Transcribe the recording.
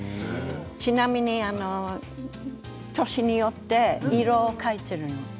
ちなみに年によって色を変えているの。